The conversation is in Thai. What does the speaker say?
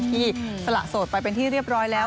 สละโสดไปเป็นที่เรียบร้อยแล้ว